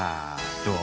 どう？